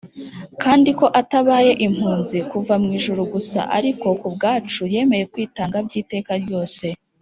kandi ko atabaye impunzi kuva mu ijuru gusa, ariko ko ku bwacu yemeye kwitanga by’iteka ryose.